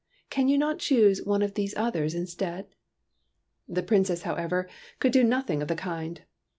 Can you not choose one of these others instead?" The Princess, however, could do nothing of the kind.